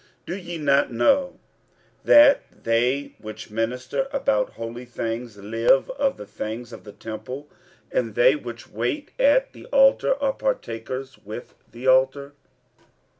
46:009:013 Do ye not know that they which minister about holy things live of the things of the temple? and they which wait at the altar are partakers with the altar?